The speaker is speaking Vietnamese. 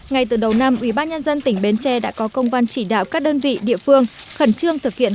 ngay từ đầu năm ubnd tỉnh bến tre đã có công văn chỉ đạo các đơn vị địa phương khẩn trương thực hiện